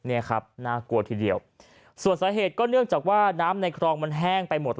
เนี่ยครับน่ากลัวทีเดียวส่วนสาเหตุก็เนื่องจากว่าน้ำในคลองมันแห้งไปหมด